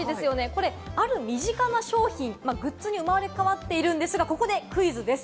これ、ある身近な商品、グッズに生まれ変わっているんですが、ここでクイズです。